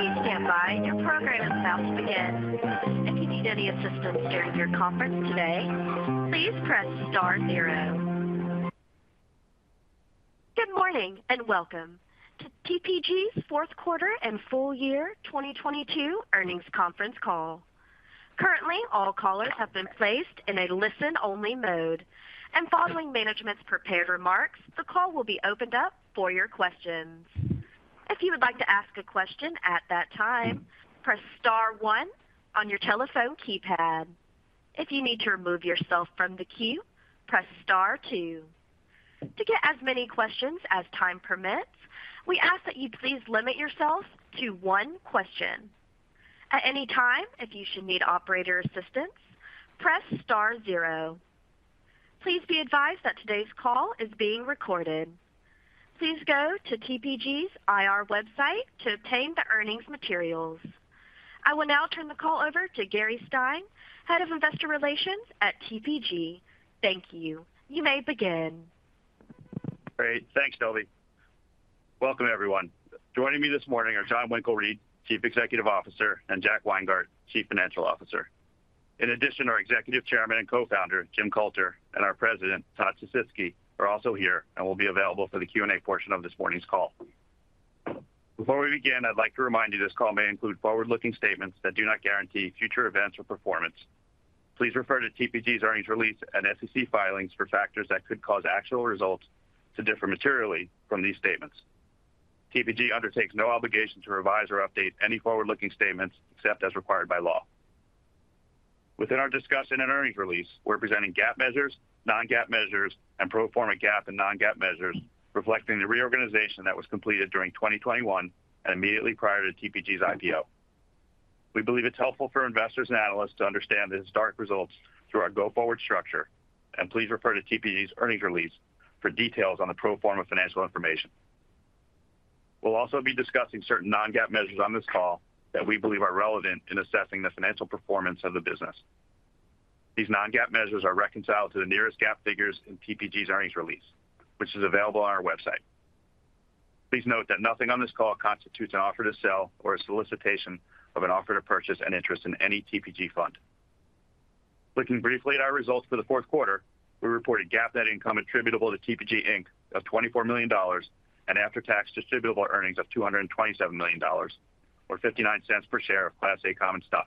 Please stand by, your program is about to begin. If you need any assistance during your conference today, please press star zero. Good morning, welcome to TPG's fourth quarter and full year 2022 earnings conference call. Currently, all callers have been placed in a listen-only mode. Following management's prepared remarks, the call will be opened up for your questions. If you would like to ask a question at that time, press star one on your telephone keypad. If you need to remove yourself from the queue, press star two. To get as many questions as time permits, we ask that you please limit yourself to one question. At any time, if you should need operator assistance, press star zero. Please be advised that today's call is being recorded. Please go to TPG's IR website to obtain the earnings materials. I will now turn the call over to Gary Stein, Head of Investor Relations at TPG. Thank you. You may begin Great. Thanks, Shelby. Welcome, everyone. Joining me this morning are Jon Winkelried, Chief Executive Officer, and Jack Weingart, Chief Financial Officer. In addition, our Executive Chairman and Co-founder, Jim Coulter, and our President, Todd Sisitsky, are also here and will be available for the Q&A portion of this morning's call. Before we begin, I'd like to remind you this call may include forward-looking statements that do not guarantee future events or performance. Please refer to TPG's earnings release and SEC filings for factors that could cause actual results to differ materially from these statements. TPG undertakes no obligation to revise or update any forward-looking statements except as required by law. Within our discussion and earnings release, we're presenting GAAP measures, non-GAAP measures, and pro forma GAAP and non-GAAP measures reflecting the reorganization that was completed during 2021 and immediately prior to TPG's IPO. We believe it's helpful for investors and analysts to understand the historic results through our go-forward structure. Please refer to TPG's earnings release for details on the pro forma financial information. We'll also be discussing certain non-GAAP measures on this call that we believe are relevant in assessing the financial performance of the business. These non-GAAP measures are reconciled to the nearest GAAP figures in TPG's earnings release, which is available on our website. Please note that nothing on this call constitutes an offer to sell or a solicitation of an offer to purchase an interest in any TPG fund. Looking briefly at our results for the fourth quarter, we reported GAAP net income attributable to TPG Inc. of $24 million and after-tax distributable earnings of $227 million or $0.59 per share of Class A common stock.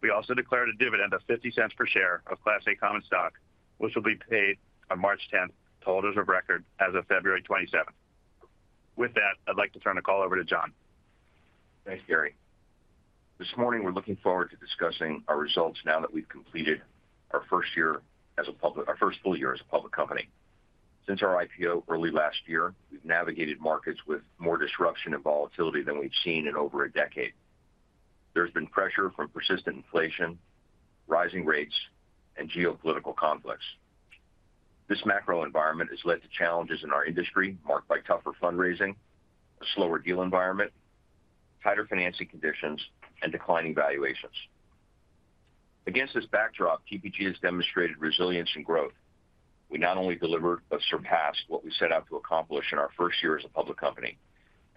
We also declared a dividend of $0.50 per share of Class A common stock, which will be paid on March 10 to holders of record as of February 27. With that, I'd like to turn the call over to Jon. Thanks, Gary. This morning, we're looking forward to discussing our results now that we've completed our first full year as a public company. Since our IPO early last year, we've navigated markets with more disruption and volatility than we've seen in over a decade. There's been pressure from persistent inflation, rising rates, and geopolitical conflicts. This macro environment has led to challenges in our industry marked by tougher fundraising, a slower deal environment, tighter financing conditions, and declining valuations. Against this backdrop, TPG has demonstrated resilience and growth. We not only delivered but surpassed what we set out to accomplish in our first year as a public company.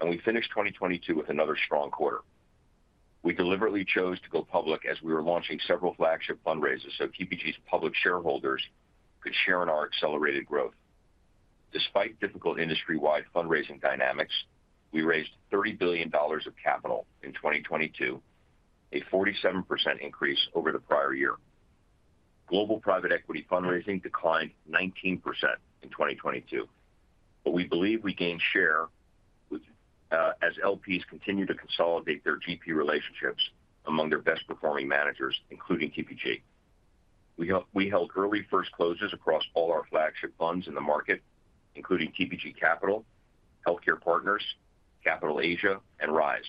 We finished 2022 with another strong quarter. We deliberately chose to go public as we were launching several flagship fundraisers so TPG's public shareholders could share in our accelerated growth. Despite difficult industry-wide fundraising dynamics, we raised $30 billion of capital in 2022, a 47% increase over the prior year. Global private equity fundraising declined 19% in 2022, but we believe we gained share as LPs continue to consolidate their GP relationships among their best-performing managers, including TPG. We held early first closes across all our flagship funds in the market, including TPG Capital, Healthcare Partners, Capital Asia, and Rise.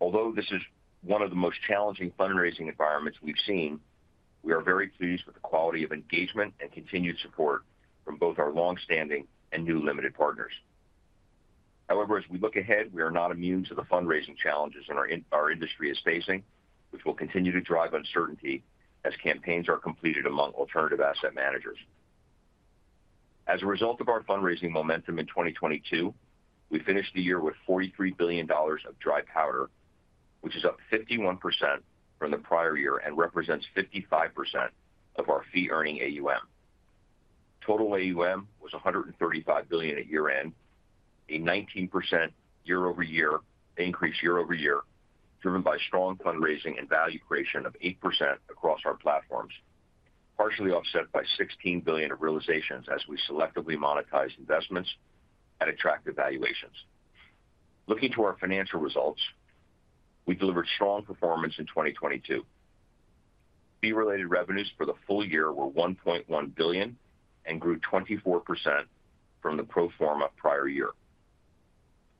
Although this is one of the most challenging fundraising environments we've seen, we are very pleased with the quality of engagement and continued support from both our long-standing and new limited partners. However, as we look ahead, we are not immune to the fundraising challenges our industry is facing, which will continue to drive uncertainty as campaigns are completed among alternative asset managers. As a result of our fundraising momentum in 2022, we finished the year with $43 billion of dry powder, which is up 51% from the prior year and represents 55% of our fee-earning AUM. Total AUM was $135 billion at year-end, a 19% increase year-over-year, driven by strong fundraising and value creation of 8% across our platforms, partially offset by $16 billion of realizations as we selectively monetize investments at attractive valuations. Looking to our financial results, we delivered strong performance in 2022. Fee-related revenues for the full year were $1.1 billion and grew 24% from the pro forma prior year.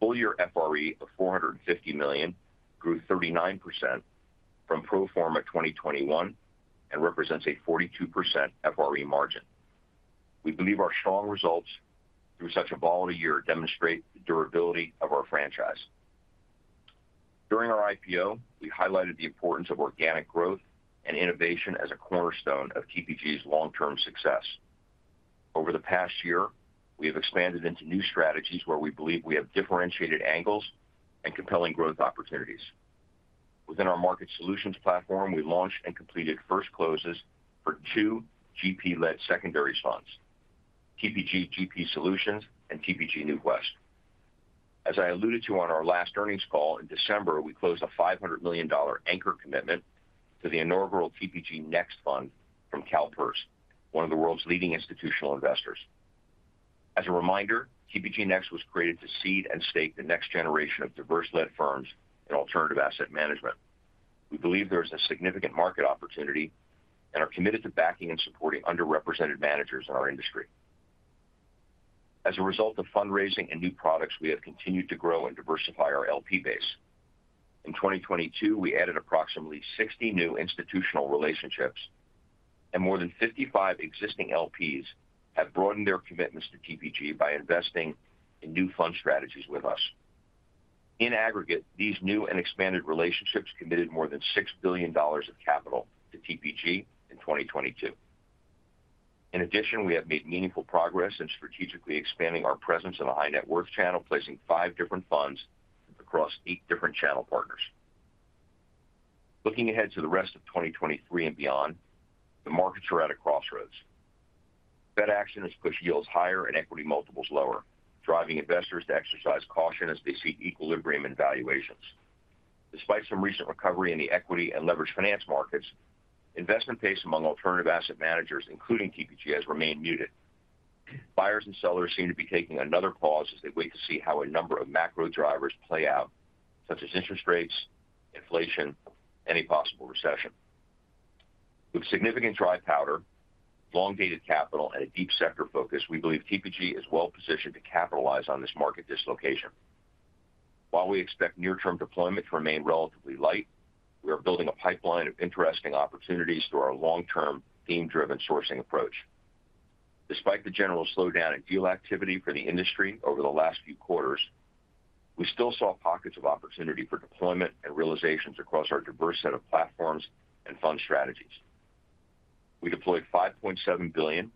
Full year FRE of $450 million grew 39% from pro forma 2021 and represents a 42% FRE margin. We believe our strong results through such a volatile year demonstrate the durability of our franchise. During our IPO, we highlighted the importance of organic growth and innovation as a cornerstone of TPG's long-term success. Over the past year, we have expanded into new strategies where we believe we have differentiated angles and compelling growth opportunities. Within our market solutions platform, we launched and completed first closes for two GP-led secondary funds, TPG GP Solutions and TPG NewQuest. As I alluded to on our last earnings call in December, we closed a $500 million anchor commitment to the inaugural TPG NEXT Fund from CalPERS, one of the world's leading institutional investors. As a reminder, TPG NEXT was created to seed and state the next generation of diverse-led firms in alternative asset management. We believe there is a significant market opportunity and are committed to backing and supporting underrepresented managers in our industry. As a result of fundraising and new products, we have continued to grow and diversify our LP base. In 2022, we added approximately 60 new institutional relationships, and more than 55 existing LPs have broadened their commitments to TPG by investing in new fund strategies with us. In aggregate, these new and expanded relationships committed more than $6 billion of capital to TPG in 2022. In addition, we have made meaningful progress in strategically expanding our presence in the high net worth channel, placing five different funds across eight different channel partners. Looking ahead to the rest of 2023 and beyond, the markets are at a crossroads. Fed Action has pushed yields higher and equity multiples lower, driving investors to exercise caution as they see equilibrium in valuations. Despite some recent recovery in the equity and leveraged finance markets, investment pace among alternative asset managers, including TPG, has remained muted. Buyers and sellers seem to be taking another pause as they wait to see how a number of macro drivers play out, such as interest rates, inflation, any possible recession. With significant dry powder, long-dated capital, and a deep sector focus, we believe TPG is well positioned to capitalize on this market dislocation. While we expect near-term deployments to remain relatively light, we are building a pipeline of interesting opportunities through our long-term, theme-driven sourcing approach. Despite the general slowdown in deal activity for the industry over the last few quarters, we still saw pockets of opportunity for deployment and realizations across our diverse set of platforms and fund strategies. We deployed $5.7 billion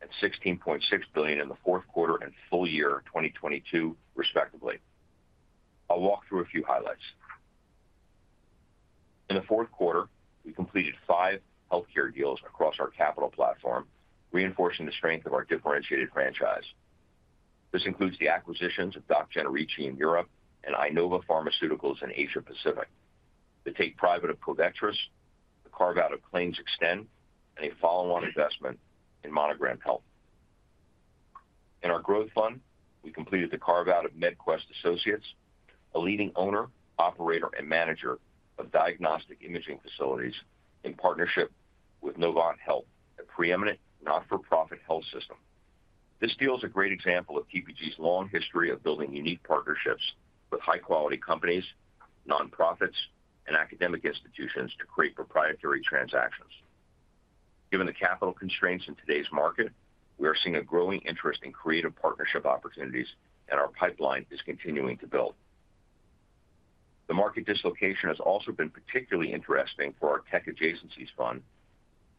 and $16.6 billion in the fourth quarter and full year 2022 respectively. I'll walk through a few highlights. In the fourth quarter, we completed five healthcare deals across our TPG Capital platform, reinforcing the strength of our differentiated franchise. This includes the acquisitions of DOC Generici in Europe and iNova Pharmaceuticals in Asia-Pacific. The take private of Covanta, the carve-out of ClaimsXten, and a follow-on investment in Monogram Health. In our Growth Fund, we completed the carve-out of MedQuest Associates, a leading owner, operator, and manager of diagnostic imaging facilities in partnership with Novant Health, a preeminent not-for-profit health system. This deal is a great example of TPG's long history of building unique partnerships with high-quality companies, nonprofits, and academic institutions to create proprietary transactions. Given the capital constraints in today's market, we are seeing a growing interest in creative partnership opportunities, and our pipeline is continuing to build. The market dislocation has also been particularly interesting for our Tech Adjacencies Fund,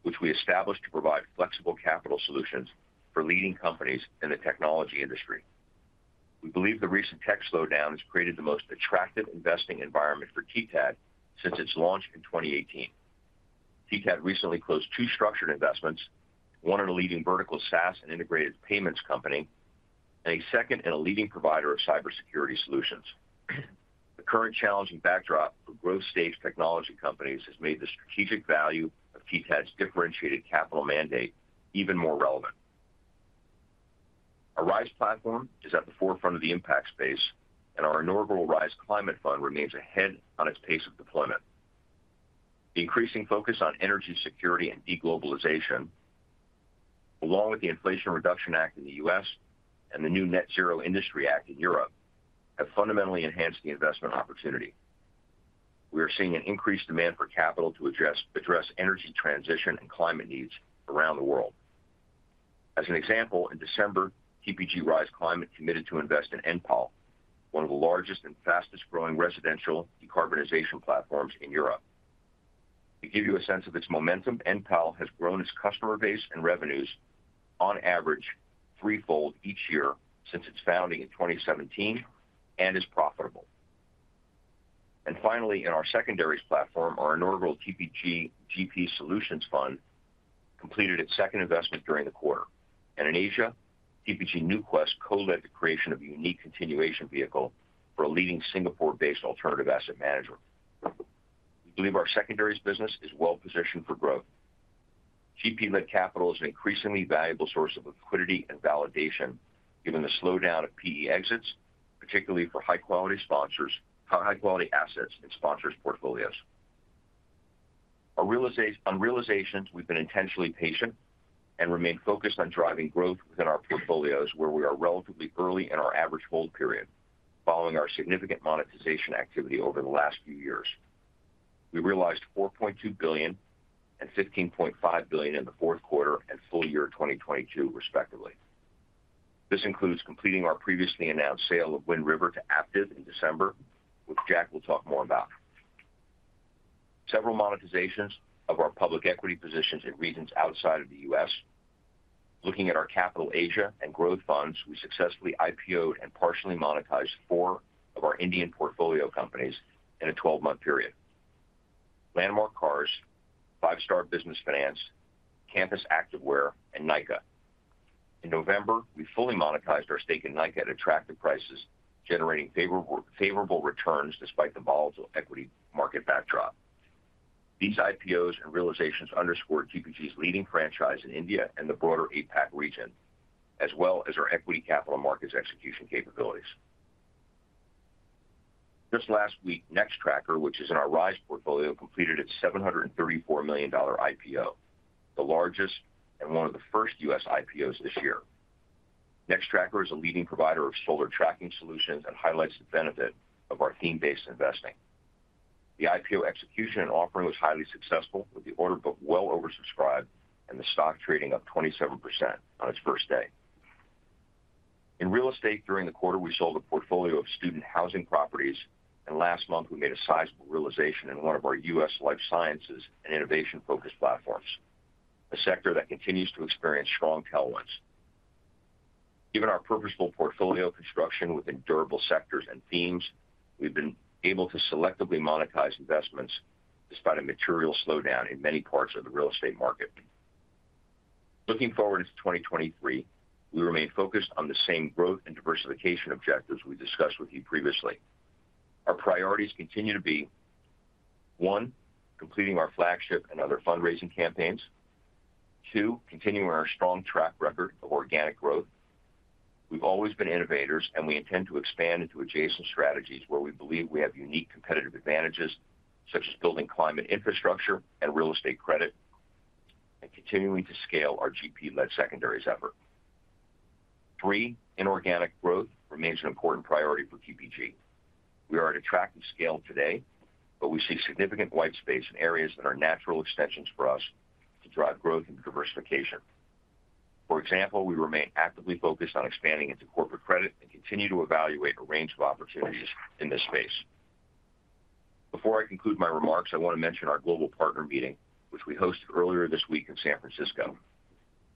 which we established to provide flexible capital solutions for leading companies in the technology industry. We believe the recent tech slowdown has created the most attractive investing environment for TTAG since its launch in 2018. TTAD recently closed two structured investments, one in a leading vertical SaaS and integrated payments company, and a second in a leading provider of cybersecurity solutions. The current challenging backdrop for growth-stage technology companies has made the strategic value of TTAD's differentiated capital mandate even more relevant. Our Rise platform is at the forefront of the impact space, our inaugural Rise Climate Fund remains ahead on its pace of deployment. The increasing focus on energy security and de-globalization, along with the Inflation Reduction Act in the U.S. and the new Net-Zero Industry Act in Europe, have fundamentally enhanced the investment opportunity. We are seeing an increased demand for capital to address energy transition and climate needs around the world. As an example, in December, TPG Rise Climate committed to invest in Enpal, one of the largest and fastest-growing residential decarbonization platforms in Europe. To give you a sense of its momentum, Enpal has grown its customer base and revenues on average three-fold each year since its founding in 2017 and is profitable. Finally, in our secondaries platform, our inaugural TPG GP Solutions Fund completed its second investment during the quarter. In Asia, TPG NewQuest co-led the creation of a unique continuation vehicle for a leading Singapore-based alternative asset manager. We believe our secondaries business is well positioned for growth. GP-led capital is an increasingly valuable source of liquidity and validation, given the slowdown of PE exits, particularly for high quality assets in sponsors' portfolios. On realizations, we've been intentionally patient and remain focused on driving growth within our portfolios, where we are relatively early in our average hold period, following our significant monetization activity over the last few years. We realized $4.2 billion and $15.5 billion in the fourth quarter and full year 2022 respectively. This includes completing our previously announced sale of Wind River to Aptiv in December, which Jack will talk more about. Several monetizations of our public equity positions in regions outside of the U.S. Looking at our TPG Asia and growth funds, we successfully IPO'd and partially monetized four of our Indian portfolio companies in a 12-month period. Landmark Cars, Five Star Business Finance, Campus Activewear, and Nykaa. In November, we fully monetized our stake in Nykaa at attractive prices, generating favorable returns despite the volatile equity market backdrop. These IPOs and realizations underscore TPG's leading franchise in India and the broader APAC region, as well as our equity capital markets execution capabilities. Just last week, Nextracker, which is in our Rise portfolio, completed its $734 million IPO, the largest and one of the first US IPOs this year. Nextracker is a leading provider of solar tracking solutions and highlights the benefit of our theme-based investing. The IPO execution and offering was highly successful, with the order book well oversubscribed and the stock trading up 27% on its first day. In real estate during the quarter, we sold a portfolio of student housing properties. Last month, we made a sizable realization in one of our U.S. life sciences and innovation-focused platforms, a sector that continues to experience strong tailwinds. Given our purposeful portfolio construction within durable sectors and themes, we've been able to selectively monetize investments despite a material slowdown in many parts of the real estate market. Looking forward into 2023, we remain focused on the same growth and diversification objectives we discussed with you previously. Our priorities continue to be, one, completing our flagship and other fundraising campaigns. two, continuing our strong track record of organic growth. We've always been innovators, and we intend to expand into adjacent strategies where we believe we have unique competitive advantages, such as building climate infrastructure and real estate credit, and continuing to scale our GP-led secondaries effort. Three, inorganic growth remains an important priority for TPG. We are at attractive scale today, but we see significant white space in areas that are natural extensions for us to drive growth and diversification. For example, we remain actively focused on expanding into corporate credit and continue to evaluate a range of opportunities in this space. Before I conclude my remarks, I want to mention our global partner meeting, which we hosted earlier this week in San Francisco.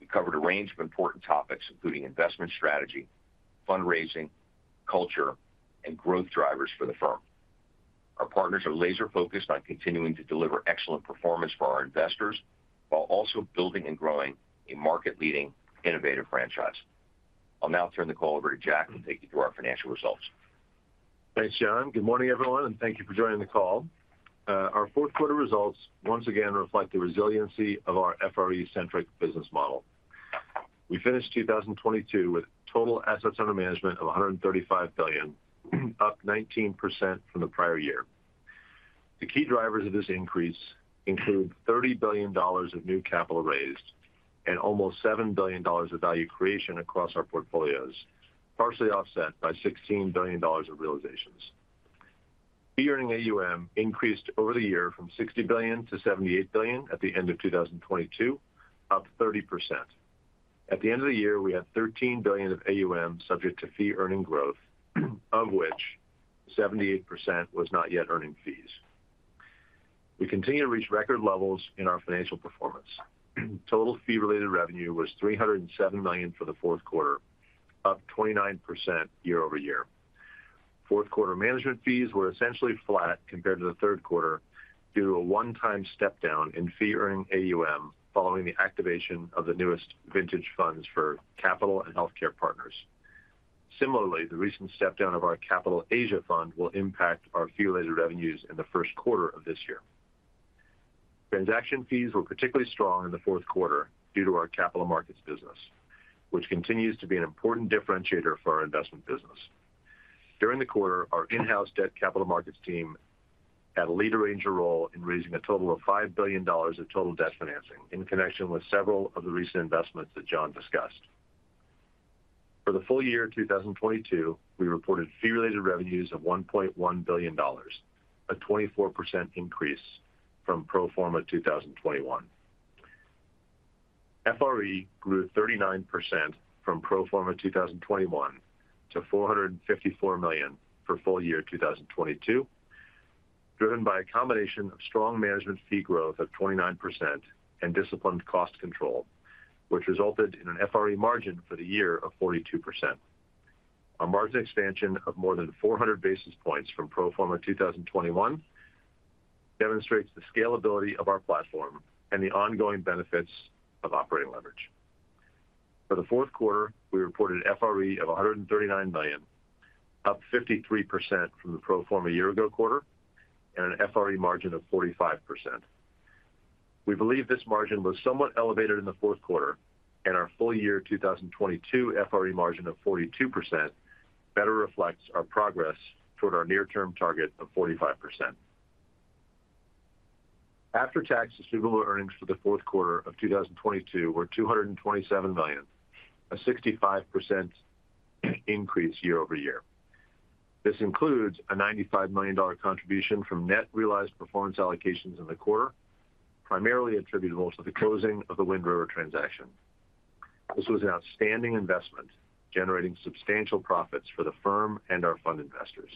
We covered a range of important topics, including investment strategy, fundraising, culture, and growth drivers for the firm. Our partners are laser-focused on continuing to deliver excellent performance for our investors while also building and growing a market-leading innovative franchise. I'll now turn the call over to Jack, who'll take you through our financial results. Thanks, Jon. Good morning, everyone, thank you for joining the call. Our fourth quarter results once again reflect the resiliency of our FRE-centric business model. We finished 2022 with total assets under management of $135 billion, up 19% from the prior year. The key drivers of this increase include $30 billion of new capital raised and almost $7 billion of value creation across our portfolios, partially offset by $16 billion of realizations. Fee-earning AUM increased over the year from $60 billion to $78 billion at the end of 2022, up 30%. At the end of the year, we had $13 billion of AUM subject to fee-earning growth, of which 78% was not yet earning fees. We continue to reach record levels in our financial performance. Total fee-related revenue was $307 million for the fourth quarter, up 29% year-over-year. Fourth quarter management fees were essentially flat compared to the third quarter due to a one-time step down in fee-earning AUM following the activation of the newest vintage funds for Capital and Healthcare Partners. Similarly, the recent step down of our Capital Asia Fund will impact our fee-related revenues in the first quarter of this year. Transaction fees were particularly strong in the fourth quarter due to our capital markets business, which continues to be an important differentiator for our investment business. During the quarter, our in-house debt capital markets team had a lead arranger role in raising a total of $5 billion of total debt financing in connection with several of the recent investments that Jon discussed. For the full year 2022, we reported fee-related revenues of $1.1 billion, a 24% increase from pro forma 2021. FRE grew 39% from pro forma 2021 to $454 million for full year 2022, driven by a combination of strong management fee growth of 29% and disciplined cost control, which resulted in an FRE margin for the year of 42%. Our margin expansion of more than 400 basis points from pro forma 2021 demonstrates the scalability of our platform and the ongoing benefits of operating leverage. For the fourth quarter, we reported an FRE of $139 million, up 53% from the pro forma year ago quarter and an FRE margin of 45%. We believe this margin was somewhat elevated in the fourth quarter, and our full year 2022 FRE margin of 42% better reflects our progress toward our near-term target of 45%. After-tax distributable earnings for the fourth quarter of 2022 were $227 million, a 65% increase year-over-year. This includes a $95 million contribution from net realized performance allocations in the quarter, primarily attributable to the closing of the Wind River transaction. This was an outstanding investment, generating substantial profits for the firm and our fund investors.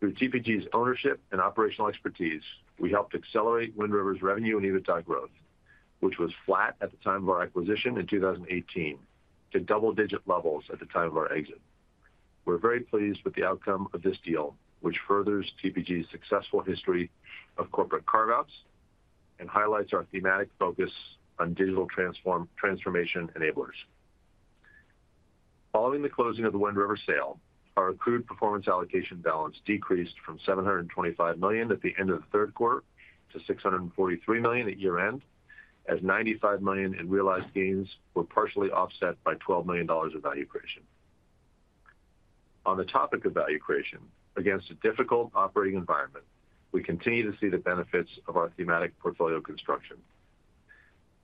Through TPG's ownership and operational expertise, we helped accelerate Wind River's revenue and EBITDA growth, which was flat at the time of our acquisition in 2018 to double-digit levels at the time of our exit. We're very pleased with the outcome of this deal, which furthers TPG's successful history of corporate carve-outs and highlights our thematic focus on digital transformation enablers. Following the closing of the Wind River sale, our accrued performance allocation balance decreased from $725 million at the end of the third quarter to $643 million at year-end, as $95 million in realized gains were partially offset by $12 million of value creation. On the topic of value creation, against a difficult operating environment, we continue to see the benefits of our thematic portfolio construction.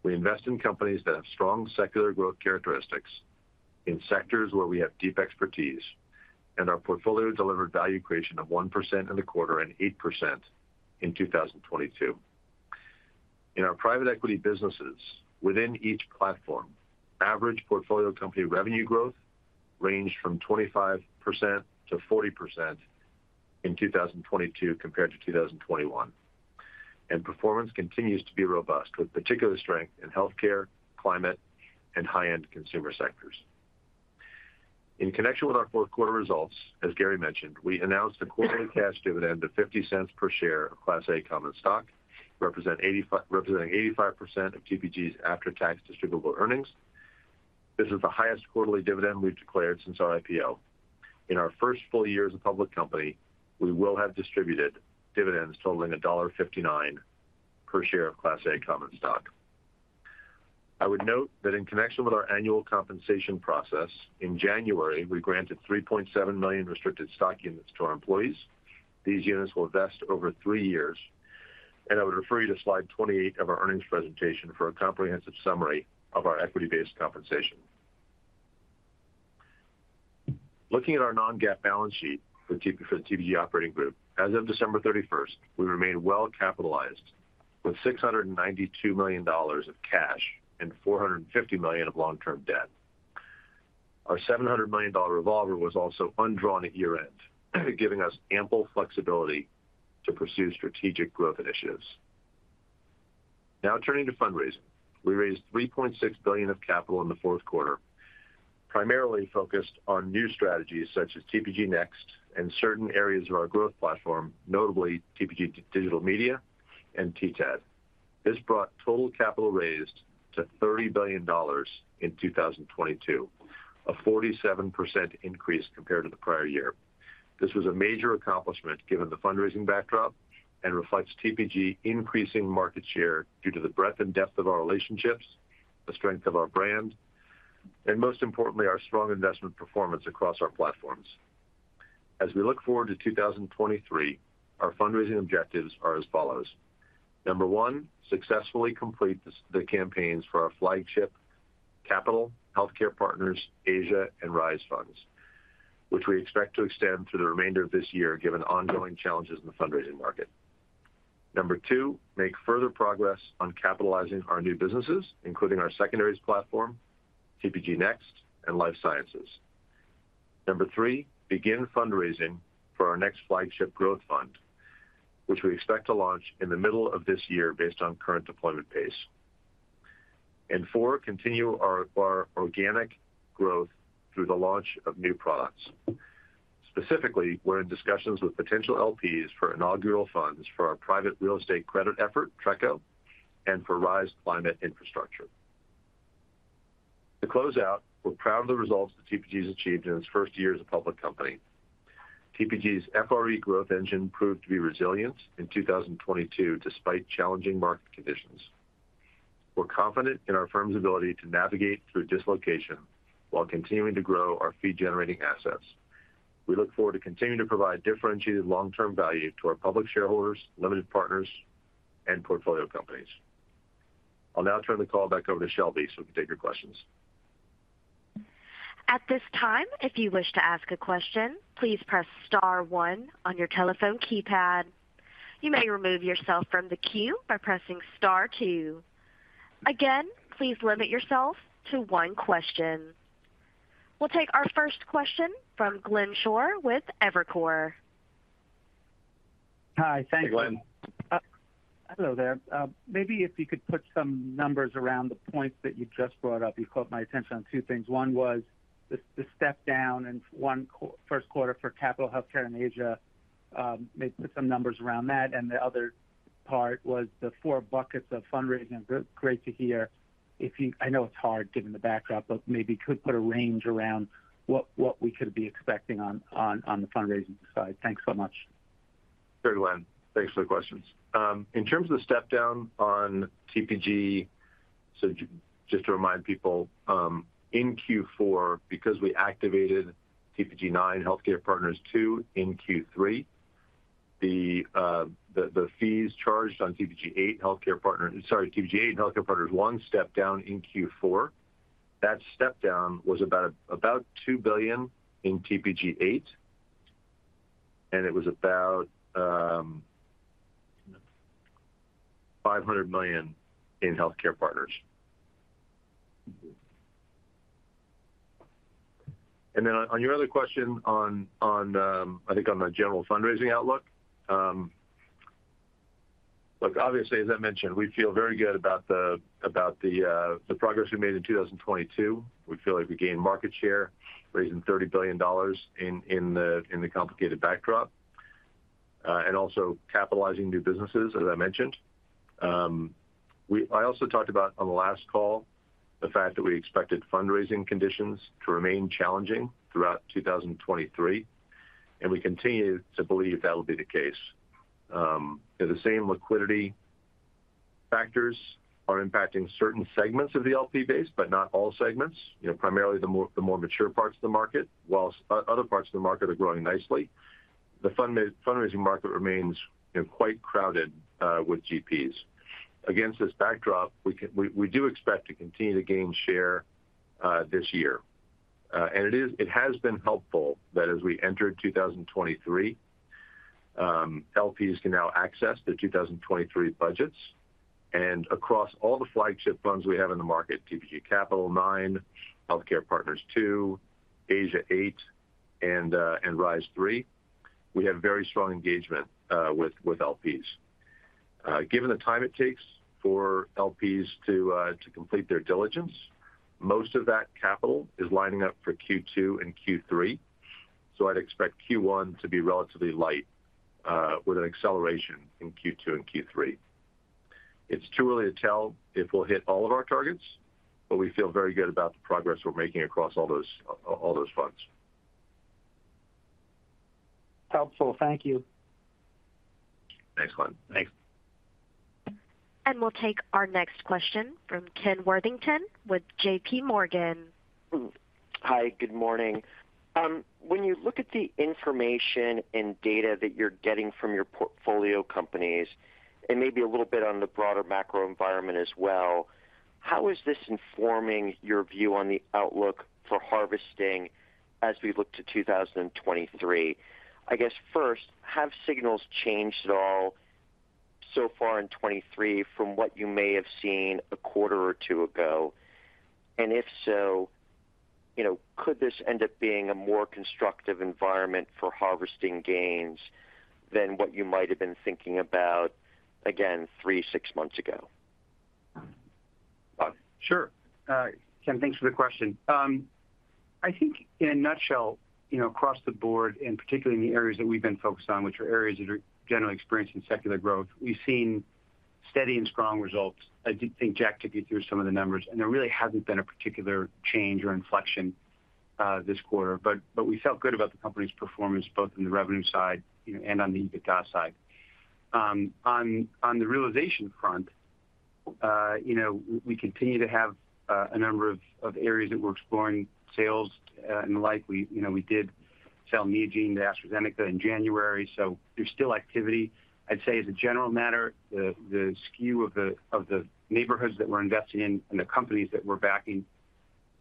We invest in companies that have strong secular growth characteristics in sectors where we have deep expertise, our portfolio delivered value creation of 1% in the quarter and 8% in 2022. In our private equity businesses, within each platform, average portfolio company revenue growth ranged from 25% to 40% in 2022 compared to 2021. Performance continues to be robust, with particular strength in healthcare, climate, and high-end consumer sectors. In connection with our fourth quarter results, as Gary mentioned, we announced a quarterly cash dividend of $0.50 per share of Class A common stock, representing 85% of TPG's after-tax distributable earnings. This is the highest quarterly dividend we've declared since our IPO. In our first full year as a public company, we will have distributed dividends totaling $1.59 per share of Class A common stock. I would note that in connection with our annual compensation process, in January, we granted 3.7 million restricted stock units to our employees. These units will vest over three years. I would refer you to slide 28 of our earnings presentation for a comprehensive summary of our equity-based compensation. Looking at our non-GAAP balance sheet for TPG, for the TPG Operating Group, as of December 31st, we remain well capitalized with $692 million of cash and $450 million of long-term debt. Our $700 million revolver was also undrawn at year-end, giving us ample flexibility to pursue strategic growth initiatives. Turning to fundraising. We raised $3.6 billion of capital in the fourth quarter, primarily focused on new strategies such as TPG NEXT and certain areas of our growth platform, notably TPG Digital Media and TTAD. This brought total capital raised to $30 billion in 2022, a 47% increase compared to the prior year. This was a major accomplishment given the fundraising backdrop and reflects TPG increasing market share due to the breadth and depth of our relationships, the strength of our brand, and most importantly, our strong investment performance across our platforms. As we look forward to 2023, our fundraising objectives are as follows. Number one. successfully complete the campaigns for our flagship Capital, Healthcare Partners, Asia, and Rise funds, which we expect to extend through the remainder of this year, given ongoing challenges in the fundraising market. Number two. make further progress on capitalizing our new businesses, including our secondaries platform, TPG NEXT, and Life Sciences. Number three. begin fundraising for our next flagship growth fund, which we expect to launch in the middle of this year based on current deployment pace. Four. continue our organic growth through the launch of new products. Specifically, we're in discussions with potential LPs for inaugural funds for our private real estate credit effort, TRECO, and for Rise Climate Infrastructure. To close out, we're proud of the results that TPG's achieved in its first year as a public company. TPG's FRE growth engine proved to be resilient in 2022 despite challenging market conditions. We're confident in our firm's ability to navigate through dislocation while continuing to grow our fee-generating assets. We look forward to continuing to provide differentiated long-term value to our public shareholders, limited partners, and portfolio companies. I'll now turn the call back over to Shelby, so we can take your questions. At this time, if you wish to ask a question, please press Star one on your telephone keypad. You may remove yourself from the queue by pressing Star two. Again, please limit yourself to one question. We'll take our first question from Glenn Schorr with Evercore. Hi, Glenn. Hi. Thank you. Hello there. Maybe if you could put some numbers around the points that you just brought up. You caught my attention on two things. One was the step down in first quarter for Capital Healthcare in Asia. Maybe put some numbers around that. The other part was the four buckets of fundraising. Great to hear. I know it's hard given the backdrop, but maybe could put a range around what we could be expecting on the fundraising side. Thanks so much. Sure, Glenn. Thanks for the questions. In terms of the step down on TPG, just to remind people, in Q4, because we activated TPG-IX Healthcare Partners II in Q3. The fees charged on TPG-VIII Healthcare Partners, TPG-VIII and Healthcare Partners I step down in Q4. That step down was about $2 billion in TPG-VIII, and it was about $500 million in Healthcare Partners. On your other question on, I think on the general fundraising outlook, look, obviously, as I mentioned, we feel very good about the progress we made in 2022. We feel like we gained market share, raising $30 billion in the complicated backdrop, and also capitalizing new businesses, as I mentioned. I also talked about on the last call the fact that we expected fundraising conditions to remain challenging throughout 2023, and we continue to believe that'll be the case. The same liquidity factors are impacting certain segments of the LP base, but not all segments. You know, primarily the more mature parts of the market, whilst other parts of the market are growing nicely. The fundraising market remains, you know, quite crowded with GPs. Against this backdrop, we do expect to continue to gain share this year. It has been helpful that as we enter 2023, LPs can now access the 2023 budgets. Across all the flagship funds we have in the market, TPG Capital IX, Healthcare Partners II, Asia VIII, and Rise III, we have very strong engagement with LPs. Given the time it takes for LPs to complete their diligence, most of that capital is lining up for Q2 and Q3, so I'd expect Q1 to be relatively light with an acceleration in Q2 and Q3. It's too early to tell if we'll hit all of our targets, but we feel very good about the progress we're making across all those funds. Helpful. Thank you. Thanks, Glenn. Thanks. We'll take our next question from Ken Worthington with JPMorgan. Hi. Good morning. when you look at the information and data that you're getting from your portfolio companies, and maybe a little bit on the broader macro environment as well, how is this informing your view on the outlook for harvesting as we look to 2023? I guess first, have signals changed at all so far in 2023 from what you may have seen a quarter or two ago? If so, you know, could this end up being a more constructive environment for harvesting gains than what you might have been thinking about again three, six months ago? Sure. Ken, thanks for the question. I think in a nutshell, you know, across the board, and particularly in the areas that we've been focused on, which are areas that are generally experiencing secular growth, we've seen steady and strong results. I did think Jack took you through some of the numbers, and there really hasn't been a particular change or inflection this quarter. We felt good about the company's performance, both in the revenue side, you know, and on the EBITDA side. On the realization front, you know, we continue to have a number of areas that we're exploring sales, and the like. We, you know, we did sell Neogene to AstraZeneca in January. There's still activity. I'd say as a general matter, the skew of the neighborhoods that we're investing in and the companies that we're backing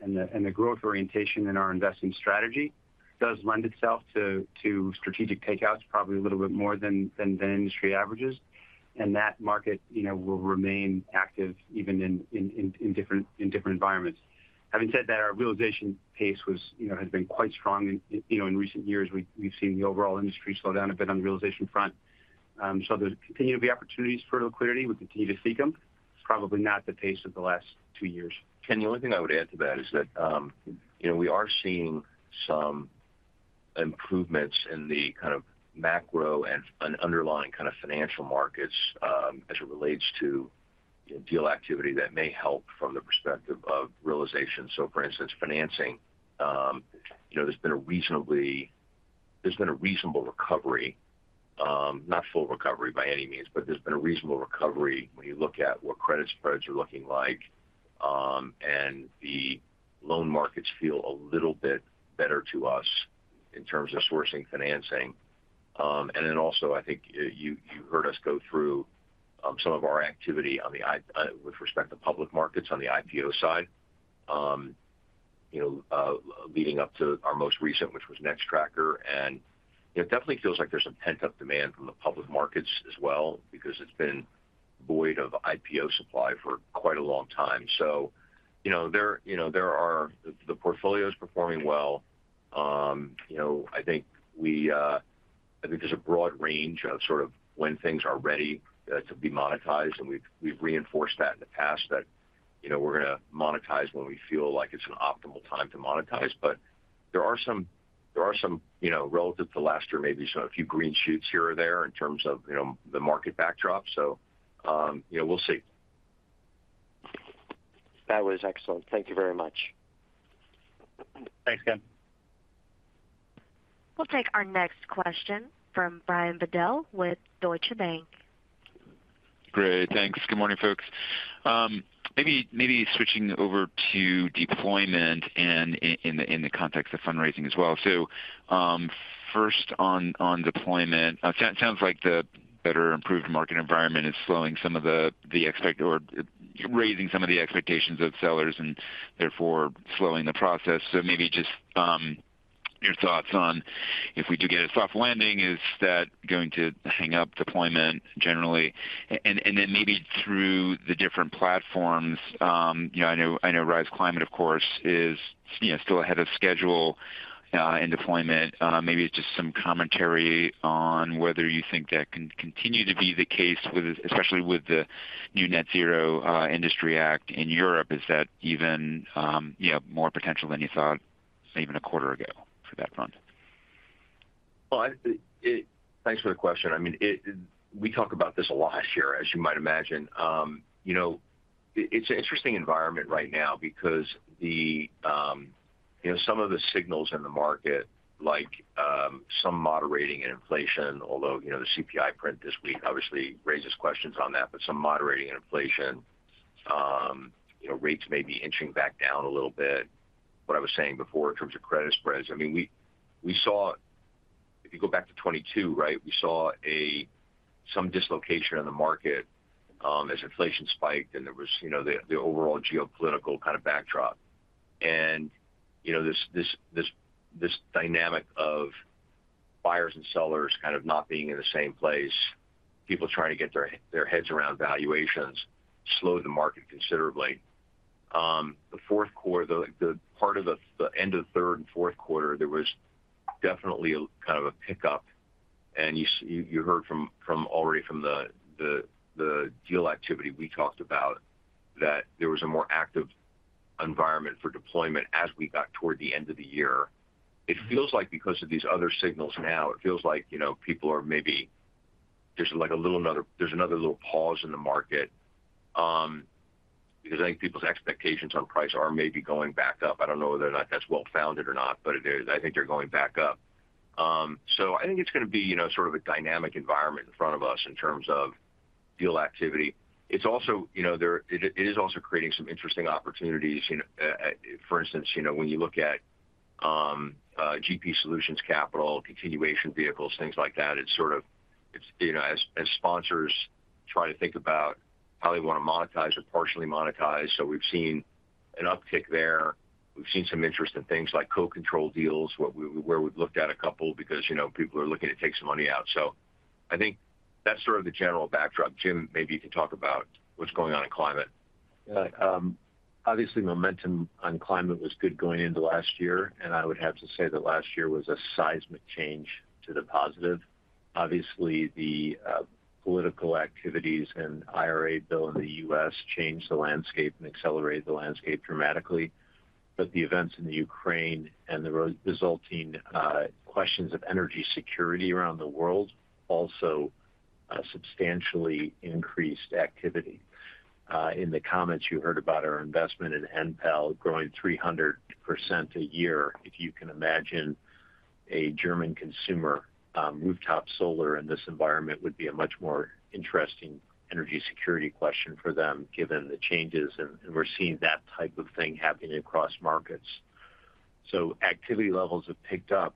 and the growth orientation in our investing strategy does lend itself to strategic takeouts probably a little bit more than industry averages. That market, you know, will remain active even in different environments. Having said that, our realization pace was, you know, has been quite strong in, you know, in recent years. We've seen the overall industry slow down a bit on the realization front. There'll continue to be opportunities for illiquidity. We continue to seek them. It's probably not the pace of the last two years. Ken, the only thing I would add to that is that, you know, we are seeing some improvements in the kind of macro and underlying kind of financial markets, as it relates to deal activity that may help from the perspective of realization. For instance, financing, you know, there's been a reasonable recovery, not full recovery by any means, but there's been a reasonable recovery when you look at what credit spreads are looking like. The loan markets feel a little bit better to us in terms of sourcing financing. Then also I think, you heard us go through, some of our activity with respect to public markets on the IPO side. You know, leading up to our most recent, which was Nextracker. You know, it definitely feels like there's some pent-up demand from the public markets as well because it's been void of IPO supply for quite a long time. You know, there, you know, the portfolio's performing well. You know, I think we, I think there's a broad range of sort of when things are ready to be monetized, and we've reinforced that in the past that, you know, we're gonna monetize when we feel like it's an optimal time to monetize. There are some, you know, relative to last year, maybe a few green shoots here or there in terms of, you know, the market backdrop. You know, we'll see. That was excellent. Thank you very much. Thanks, Ken. We'll take our next question from Brian Bedell with Deutsche Bank. Great. Thanks. Good morning, folks. Maybe switching over to deployment and in the context of fundraising as well. First on deployment. Sounds like the better improved market environment is slowing some of the expect or raising some of the expectations of sellers and therefore slowing the process. Maybe just your thoughts on if we do get a soft landing, is that going to hang up deployment generally? And then maybe through the different platforms, you know, I know Rise Climate, of course, is, you know, still ahead of schedule in deployment. maybe just some commentary on whether you think that can continue to be the case especially with the new Net-Zero Industry Act in Europe, is that even, you know, more potential than you thought even a quarter ago for that fund? Well, Thanks for the question. I mean, we talk about this a lot here, as you might imagine. You know, it's an interesting environment right now because the, you know, some of the signals in the market, like, some moderating in inflation, although, you know, the CPI print this week obviously raises questions on that, but some moderating in inflation. You know, rates may be inching back down a little bit. What I was saying before in terms of credit spreads, I mean, we saw. If you go back to 22, right, we saw some dislocation in the market, as inflation spiked, and there was, you know, the overall geopolitical kind of backdrop. You know, this dynamic of buyers and sellers kind of not being in the same place, people trying to get their heads around valuations slowed the market considerably. The fourth quarter, the part of the end of the third and fourth quarter, there was definitely a kind of a pickup. You heard from already from the deal activity we talked about, that there was a more active environment for deployment as we got toward the end of the year. It feels like because of these other signals now, it feels like, you know, people are maybe there's another little pause in the market, because I think people's expectations on price are maybe going back up. I don't know whether or not that's well-founded or not, but it is. I think they're going back up. I think it's gonna be, you know, sort of a dynamic environment in front of us in terms of deal activity. It's also, you know, it is also creating some interesting opportunities. You know, for instance, you know, when you look at GP Solutions Capital, continuation vehicles, things like that, it's, you know, as sponsors try to think about how they wanna monetize or partially monetize. We've seen an uptick there. We've seen some interest in things like co-control deals, where we've looked at a couple because, you know, people are looking to take some money out. I think that's sort of the general backdrop. Jim, maybe you can talk about what's going on in climate. Yeah. Obviously momentum on climate was good going into last year, and I would have to say that last year was a seismic change to the positive. Obviously, the political activities and IRA bill in the U.S. changed the landscape and accelerated the landscape dramatically. The events in the Ukraine and the re-resulting questions of energy security around the world also substantially increased activity. In the comments you heard about our investment in Enpal growing 300% a year. If you can imagine a German consumer, rooftop solar in this environment would be a much more interesting energy security question for them, given the changes, and we're seeing that type of thing happening across markets. Activity levels have picked up.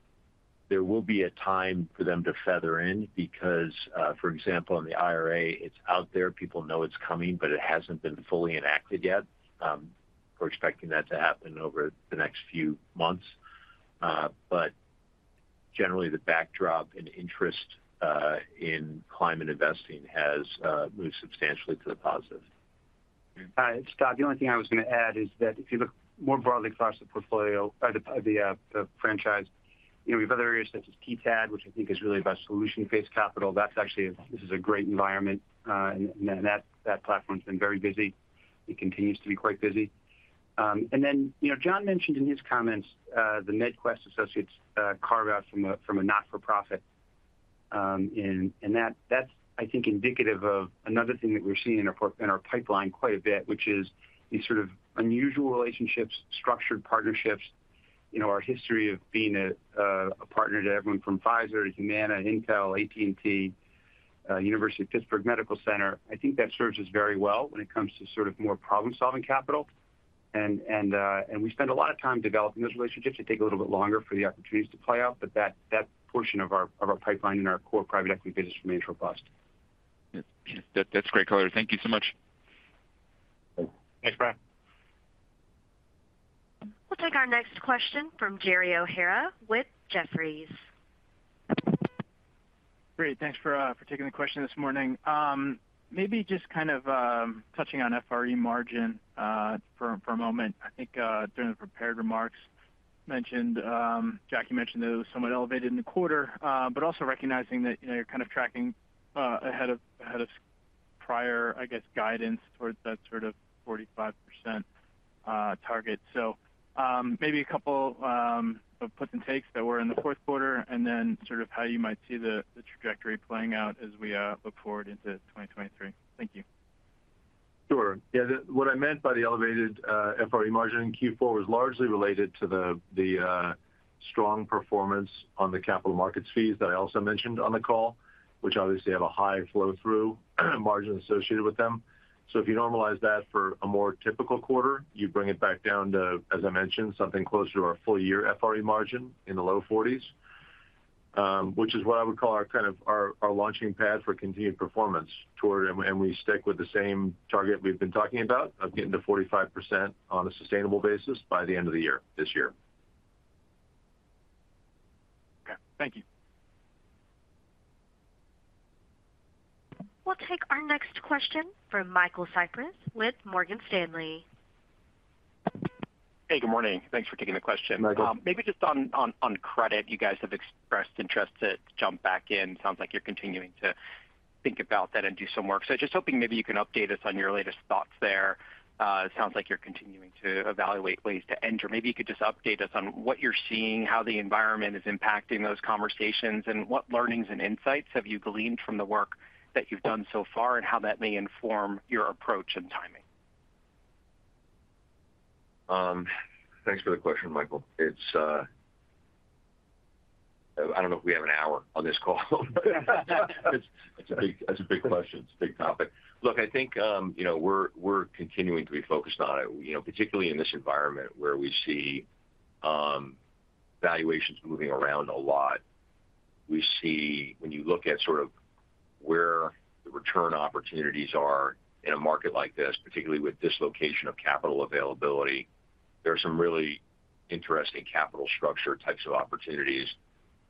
There will be a time for them to feather in because, for example, in the IRA, it's out there, people know it's coming, but it hasn't been fully enacted yet. We're expecting that to happen over the next few months. Generally, the backdrop and interest in climate investing has moved substantially to the positive. Scott, the only thing I was gonna add is that if you look more broadly across the portfolio or the franchise, you know, we have other areas such as TTAD, which I think is really about solution-based capital. That's actually a great environment. That, that platform's been very busy. It continues to be quite busy. Then, you know, Jon mentioned in his comments, the MedQuest Associates carve-out from a not-for-profit. That, that's I think indicative of another thing that we're seeing in our pipeline quite a bit, which is these sort of unusual relationships, structured partnerships. You know, our history of being a partner to everyone from Pfizer to Humana, Intel, AT&T, University of Pittsburgh Medical Center. I think that serves us very well when it comes to sort of more problem-solving capital. We spend a lot of time developing those relationships. They take a little bit longer for the opportunities to play out, but that portion of our pipeline and our core private equity business remains robust. Yep. That's great color. Thank you so much. Thanks, Brad. We'll take our next question from Jerry O'Hara with Jefferies. Great. Thanks for taking the question this morning. Maybe just kind of touching on FRE margin for a moment. I think during the prepared remarks, mentioned Jackie mentioned that it was somewhat elevated in the quarter, but also recognizing that, you know, you're kind of tracking ahead of ahead of prior, I guess, guidance towards that sort of 45% target. Maybe a couple of puts and takes that were in the fourth quarter and then sort of how you might see the trajectory playing out as we look forward into 2023. Thank you. Sure. Yeah, what I meant by the elevated FRE margin in Q4 was largely related to the strong performance on the capital markets fees that I also mentioned on the call, which obviously have a high flow through margin associated with them. If you normalize that for a more typical quarter, you bring it back down to, as I mentioned, something closer to our full year FRE margin in the low forties, which is what I would call our kind of our launching pad for continued performance toward. We stick with the same target we've been talking about of getting to 45% on a sustainable basis by the end of the year, this year. Okay. Thank you. We'll take our next question from Michael Cyprys with Morgan Stanley. Hey, good morning. Thanks for taking the question. Michael. Maybe just on credit, you guys have expressed interest to jump back in. Sounds like you're continuing to think about that and do some work. Just hoping maybe you can update us on your latest thoughts there. It sounds like you're continuing to evaluate ways to enter. Maybe you could just update us on what you're seeing, how the environment is impacting those conversations, and what learnings and insights have you gleaned from the work that you've done so far, and how that may inform your approach and timing? Thanks for the question, Michael. It's I don't know if we have an hour on this call. It's a big, it's a big question. It's a big topic. Look, I think, you know, we're continuing to be focused on it, you know, particularly in this environment where we see valuations moving around a lot. We see when you look at sort of where the return opportunities are in a market like this, particularly with dislocation of capital availability, there are some really interesting capital structure types of opportunities,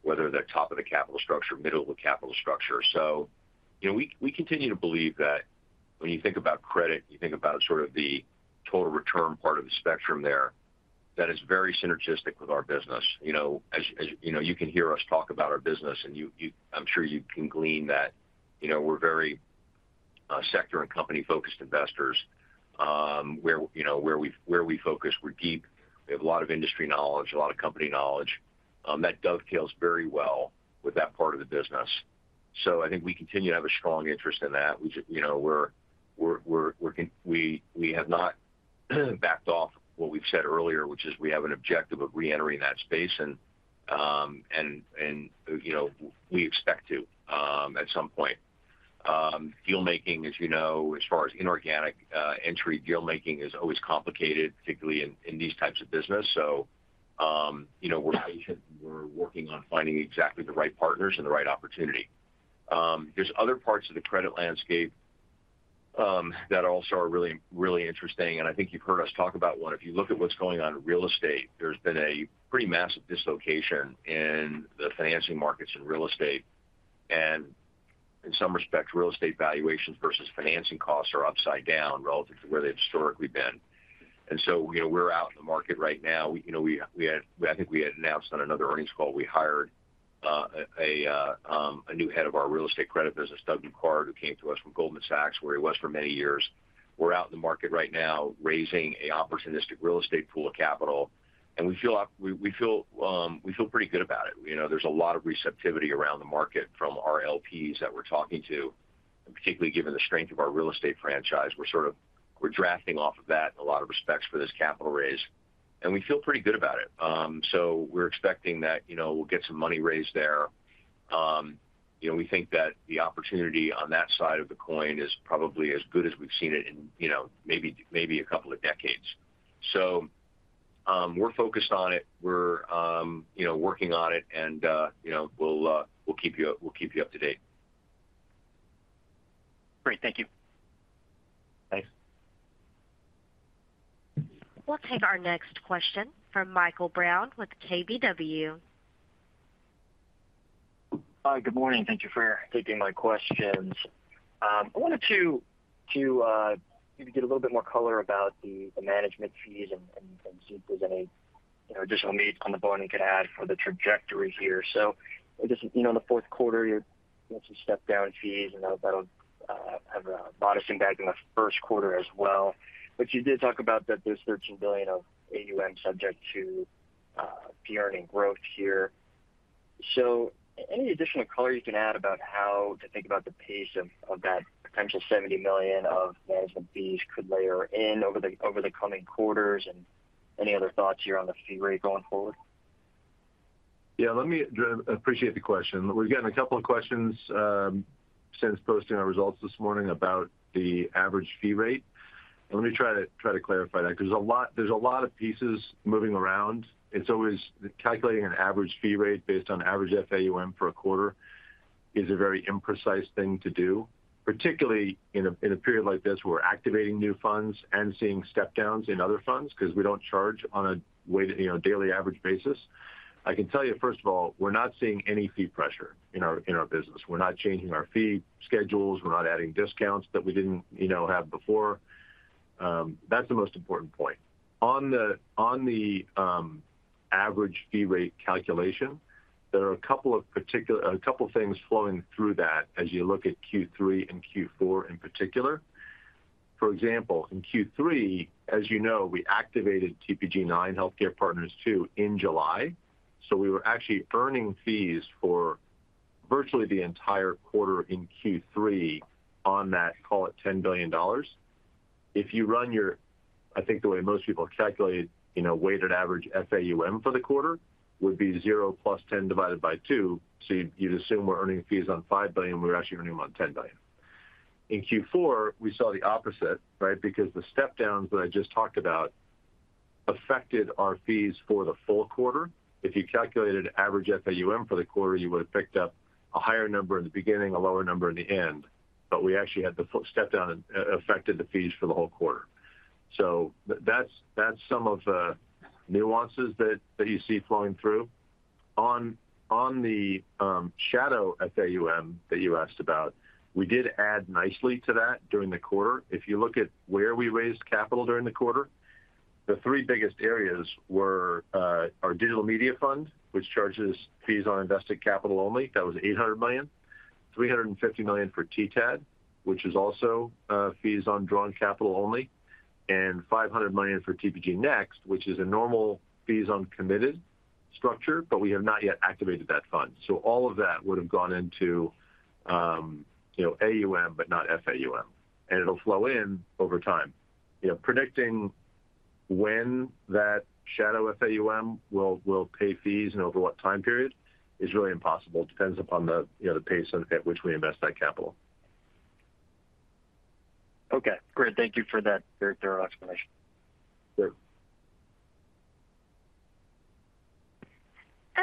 whether they're top of the capital structure, middle of the capital structure. You know, we continue to believe that when you think about credit, you think about sort of the total return part of the spectrum there. That is very synergistic with our business. You know, as you know, you can hear us talk about our business and you, I'm sure you can glean that, you know, we're very, sector and company-focused investors, where, you know, where we focus, we're deep. We have a lot of industry knowledge, a lot of company knowledge, that dovetails very well with that part of the business. I think we continue to have a strong interest in that. We just, you know, we have not backed off what we've said earlier, which is we have an objective of reentering that space and, you know, we expect to, at some point. Deal making, as you know, as far as inorganic, entry deal making is always complicated, particularly in these types of business. You know, we're patient, we're working on finding exactly the right partners and the right opportunity. There's other parts of the credit landscape that also are really, really interesting, and I think you've heard us talk about one. If you look at what's going on in real estate, there's been a pretty massive dislocation in the financing markets in real estate. In some respects, real estate valuations versus financing costs are upside down relative to where they've historically been. You know, we're out in the market right now. We, you know, we had announced on another earnings call, we hired a new head of our real estate credit business, Doug McCord, who came to us from Goldman Sachs, where he was for many years. We're out in the market right now raising a opportunistic real estate pool of capital, and we feel pretty good about it. You know, there's a lot of receptivity around the market from our LPs that we're talking to, and particularly given the strength of our real estate franchise. We're drafting off of that in a lot of respects for this capital raise, and we feel pretty good about it. We're expecting that, you know, we'll get some money raised there. You know, we think that the opportunity on that side of the coin is probably as good as we've seen it in, you know, maybe a couple of decades. We're focused on it. We're, you know, working on it and, you know, we'll keep you up to date. Great. Thank you. Thanks. We'll take our next question from Michael Brown with KBW. Hi. Good morning. Thank you for taking my questions. I wanted maybe get a little bit more color about the management fees and see if there's any, you know, additional meat on the bone you could add for the trajectory here. Just, you know, in the fourth quarter, you want to step down fees, and that'll have a modest impact in the first quarter as well. You did talk about that there's $13 billion of AUM subject to fee-earning growth here. Any additional color you can add about how to think about the pace of that potential $70 million of management fees could layer in over the coming quarters, and any other thoughts here on the fee rate going forward? Appreciate the question. We've gotten a couple of questions since posting our results this morning about the average fee rate. Let me try to clarify that because there's a lot of pieces moving around. It's always calculating an average fee rate based on average FAUM for a quarter is a very imprecise thing to do, particularly in a period like this where we're activating new funds and seeing step downs in other funds because we don't charge on a way to, you know, daily average basis. I can tell you, first of all, we're not seeing any fee pressure in our business. We're not changing our fee schedules. We're not adding discounts that we didn't, you know, have before. That's the most important point. On the average fee rate calculation, there are a couple things flowing through that as you look at Q3 and Q4 in particular. For example, in Q3, as you know, we activated TPG-IX Healthcare Partners II in July. We were actually earning fees for virtually the entire quarter in Q3 on that, call it $10 billion. If you run, I think the way most people calculate, you know, weighted average FAUM for the quarter would be 0 plus 10 divided by 2. You'd assume we're earning fees on $5 billion, we're actually earning them on $10 billion. In Q4, we saw the opposite, right? The step downs that I just talked about affected our fees for the full quarter. If you calculated average FAUM for the quarter, you would have picked up a higher number in the beginning, a lower number in the end. We actually had the full step down affected the fees for the whole quarter. That's some of the nuances that you see flowing through. On the shadow FAUM that you asked about, we did add nicely to that during the quarter. If you look at where we raised capital during the quarter, the three biggest areas were our Digital Media Fund, which charges fees on invested capital only. That was $800 million. $350 million for TTAD, which is also fees on drawn capital only, and $500 million for TPG Next, which is a normal fees on committed structure, but we have not yet activated that fund. All of that would have gone into, you know, AUM, but not FAUM, and it'll flow in over time. You know, predicting when that shadow FAUM will pay fees and over what time period is really impossible. Depends upon the, you know, the pace at which we invest that capital. Okay, great. Thank you for that very thorough explanation. Sure.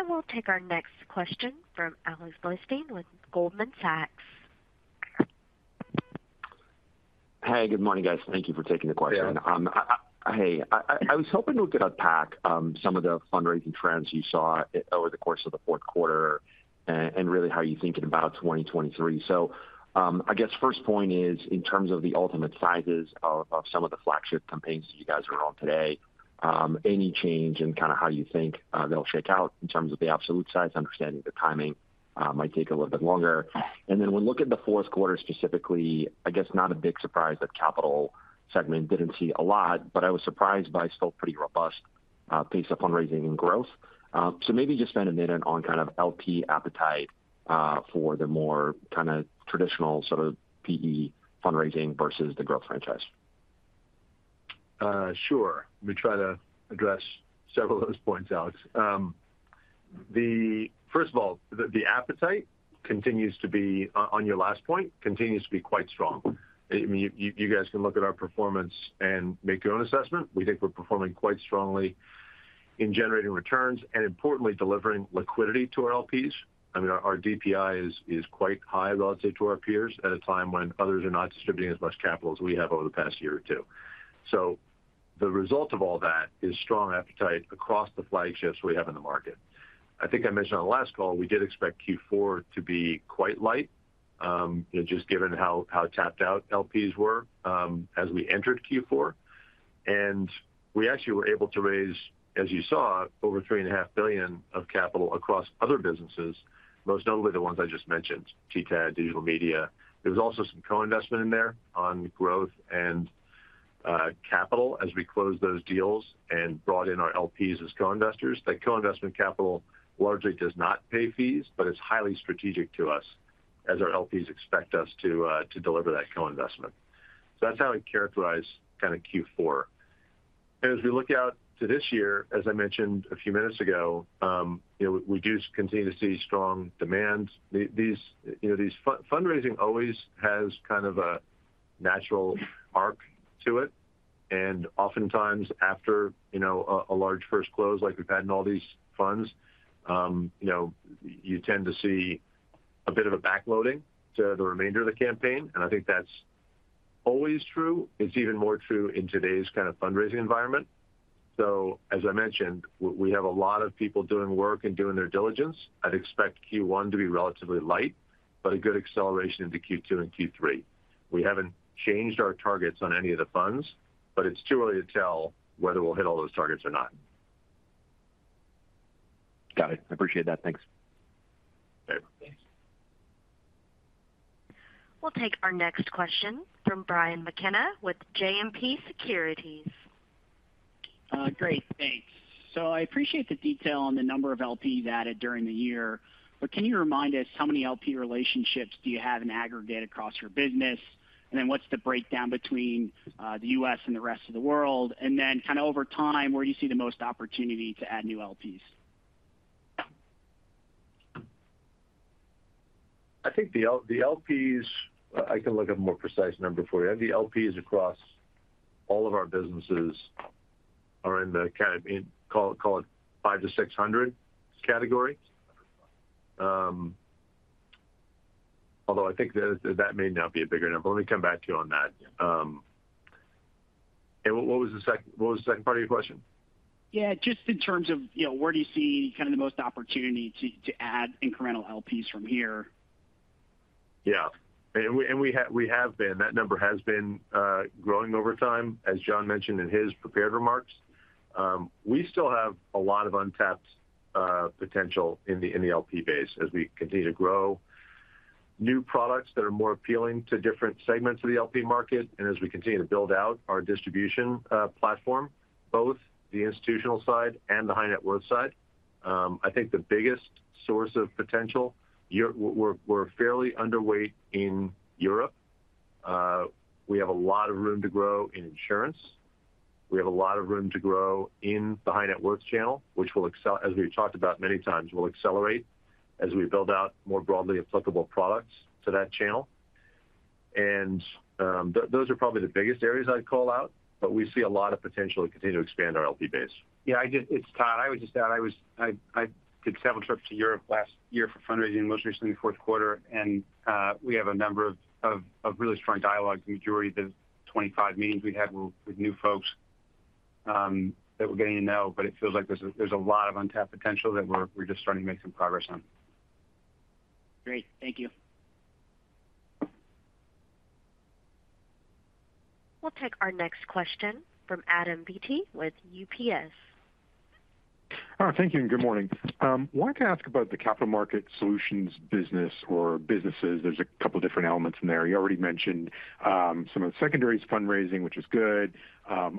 We'll take our next question from Alex Blostein with Goldman Sachs. Hey, good morning, guys. Thank you for taking the question. Yeah. I was hoping to unpack some of the fundraising trends you saw over the course of the fourth quarter and really how you're thinking about 2023. I guess first point is in terms of the ultimate sizes of some of the flagship campaigns that you guys are on today, any change in kinda how you think they'll shake out in terms of the absolute size, understanding the timing might take a little bit longer. When look at the fourth quarter specifically, I guess not a big surprise that capital segment didn't see a lot, but I was surprised by still pretty robust pace of fundraising and growth. Maybe just spend a minute on kind of LP appetite for the more kinda traditional sort of PE fundraising versus the growth franchise. Sure. Let me try to address several of those points, Alex. First of all, the appetite continues to be, on your last point, continues to be quite strong. I mean, you guys can look at our performance and make your own assessment. We think we're performing quite strongly in generating returns and importantly, delivering liquidity to our LPs. I mean, our DPI is quite high, relative to our peers at a time when others are not distributing as much capital as we have over the past year or two. The result of all that is strong appetite across the flagships we have in the market. I think I mentioned on the last call, we did expect Q4 to be quite light, you know, just given how tapped out LPs were as we entered Q4. We actually were able to raise, as you saw, over $3.5 billion of capital across other businesses, most notably the ones I just mentioned, TTAD, TPG Digital Media. There was also some co-investment in there on growth and capital as we closed those deals and brought in our LPs as co-investors. That co-investment capital largely does not pay fees, but it's highly strategic to us as our LPs expect us to deliver that co-investment. That's how I characterize kinda Q4. As we look out to this year, as I mentioned a few minutes ago, you know, we do continue to see strong demand. These, you know, fundraising always has kind of a natural arc to it. Oftentimes after, you know, a large first close like we've had in all these funds, you know, you tend to see a bit of a backloading to the remainder of the campaign, and I think that's always true. It's even more true in today's kind of fundraising environment. As I mentioned, we have a lot of people doing work and doing their diligence. I'd expect Q1 to be relatively light, but a good acceleration into Q2 and Q3. We haven't changed our targets on any of the funds, but it's too early to tell whether we'll hit all those targets or not. Got it. I appreciate that. Thanks. Sure. We'll our next question from Brian McKenna with JMP Securities. Great, thanks. I appreciate the detail on the number of LPs added during the year. Can you remind us how many LP relationships do you have in aggregate across your business? What's the breakdown between the U.S. and the rest of the world? Kinda over time, where do you see the most opportunity to add new LPs? I think the LPs, I can look up a more precise number for you. I think the LPs across all of our businesses are in the kind of in, call it 500 to 600 category. Although I think that may now be a bigger number. Let me come back to you on that. What was the second part of your question? Yeah, just in terms of, you know, where do you see kinda the most opportunity to add incremental LPs from here? Yeah. We have been. That number has been growing over time, as Jon mentioned in his prepared remarks. We still have a lot of untapped potential in the LP base as we continue to grow. New products that are more appealing to different segments of the LP market, and as we continue to build out our distribution platform, both the institutional side and the high net worth side. I think the biggest source of potential, we're fairly underweight in Europe. We have a lot of room to grow in insurance. We have a lot of room to grow in the high net worth channel, which as we've talked about many times, will accelerate as we build out more broadly applicable products to that channel. Those are probably the biggest areas I'd call out, but we see a lot of potential to continue to expand our LP base. I just, it's Todd. I would just add, I did several trips to Europe last year for fundraising, most recently fourth quarter. We have a number of really strong dialogues. The majority of the 25 meetings we had were with new folks that we're getting to know. It feels like there's a lot of untapped potential that we're just starting to make some progress on. Great. Thank you. We'll take our next question from Adam Beatty with UBS. Thank you, good morning. Wanted to ask about the capital market solutions business or businesses. There's a couple different elements in there. You already mentioned some of the secondaries fundraising, which is good.